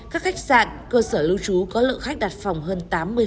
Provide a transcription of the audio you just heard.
các khách sạn cơ sở lưu trú có lượng khách đặt phòng hơn tám mươi